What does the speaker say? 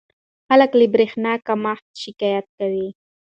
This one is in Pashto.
خلک له برېښنا کمښت شکایت کوي.